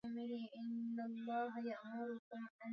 lakini huku akiahidi ataendelea kuhudumu